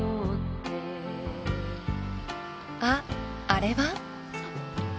［あっあれは？］